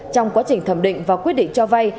trong quá trình thẩm định và quyết định cho vay